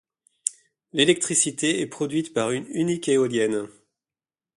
L'électricité est produite par une unique éolienne.